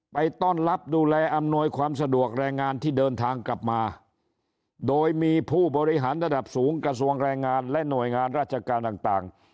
ไปต้อนรับดูแลอำนวยความสะดวกแรงงานที่เดินทางกลับมาโดยมีผู้บริหารระดับสูงกระทรวงแรงงานและหน่วยงานราชการต่าง